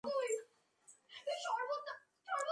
আর মা, আজ থেকে এই বিষয়ে আমি আর কোন কথা বলব না।